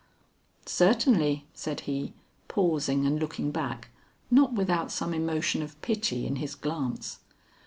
"Certainly," said he, pausing and looking back, not without some emotion of pity in his glance.